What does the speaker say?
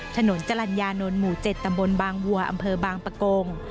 ถนนจรรยานนท์หมู่๗ตำบลบางวัวอำเภอบางปะโกง